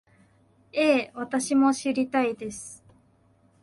ええ、私も知りたいです